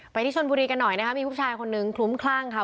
ที่ชนบุรีกันหน่อยนะคะมีผู้ชายคนนึงคลุ้มคลั่งค่ะ